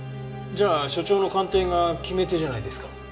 じゃあ所長の鑑定が決め手じゃないですか。